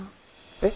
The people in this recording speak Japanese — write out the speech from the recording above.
えっ。